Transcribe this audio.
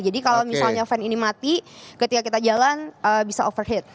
kalau misalnya fan ini mati ketika kita jalan bisa overheat